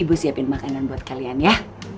ibu siapin makanan buat kalian ya